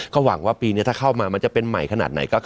ก็หวังว่าปีนี้ถ้าเข้ามามันจะเป็นใหม่ขนาดไหน